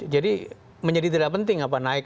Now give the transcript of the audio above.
jadi menjadi tidak penting apa naik